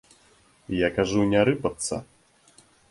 Я кажу, не рыпацца.